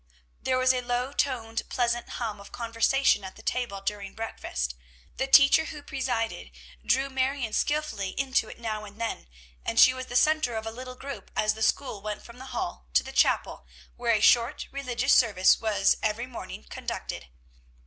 There was a low toned, pleasant hum of conversation at the table during breakfast; the teacher who presided drew Marion skilfully into it now and then; and she was the centre of a little group as the school went from the hall to the chapel, where a short religious service was every morning conducted.